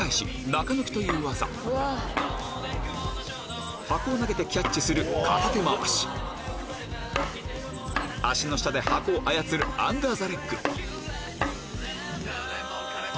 中抜きという技箱を投げてキャッチする片手回し足の下で箱を操るアンダーザレッグ